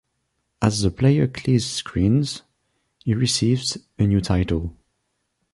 As the player clears screens, he receives a new title.